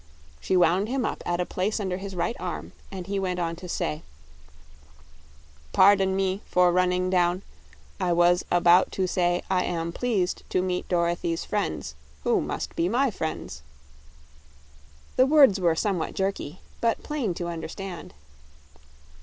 She wound him up at a place under his right arm and he went on to say: "Par don me for run ning down. I was a bout to say I am pleased to meet Dor o thy's friends, who must be my friends." The words were somewhat jerky, but plain to understand.